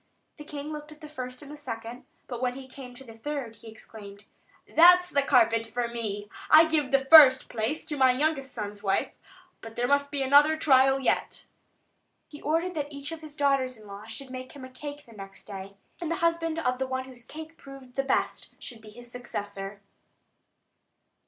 The king looked at the first and the second; but when he came to the third, he exclaimed: "That's the carpet for me! I give the first place to my youngest son's wife; but there must be another trial yet." And he ordered that each of his daughters in law should make him a cake next day; and the husband of the one whose cake proved the best should be his successor.